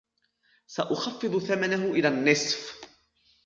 سأخفض ثمنه إلى النصف.